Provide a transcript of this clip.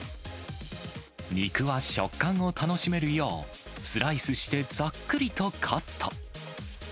肉は食感を楽しめるよう、スライスしてざっくりとカット。